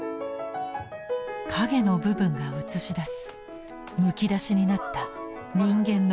陰の部分が映し出すむき出しになった人間の本性。